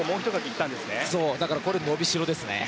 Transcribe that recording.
だから、これは伸びしろですね。